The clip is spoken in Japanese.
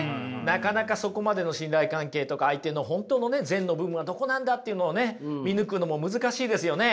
なかなかそこまでの信頼関係とか相手の本当の善の部分はどこなんだっていうのをね見抜くのも難しいですよね。